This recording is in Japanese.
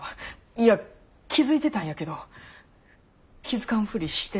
いや気付いてたんやけど気付かんふりしてただけや。